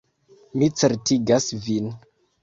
Mi certigas vin.